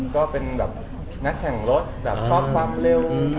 ก็เป็นแบบนักแข่งรถแบบชอบความเร็ว